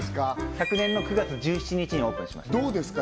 昨年の９月１７日にオープンしましたどうですか？